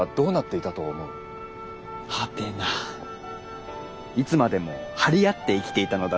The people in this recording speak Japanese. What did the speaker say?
いつまでも張り合って生きていたのだろうか。